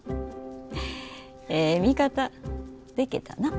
ええ味方でけたな。